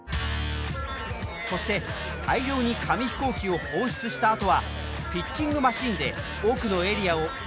そして大量に紙飛行機を放出したあとはピッチングマシーンで奥のエリアをピンポイントで狙います。